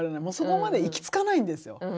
もうそこまで行きつかないんですよ。